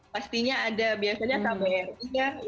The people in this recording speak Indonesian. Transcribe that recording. pastinya ada biasanya sampai r tiga yang ngandain acara